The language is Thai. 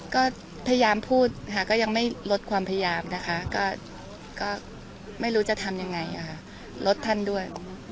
ก็พยายามพูดค่ะก็ยังไม่ลดความพยายามนะคะก็ไม่รู้จะทำยังไงลดท่านด้วย